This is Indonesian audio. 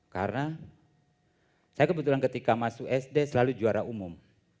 karena saya kebetulan ketika masuk sd selalu juara umum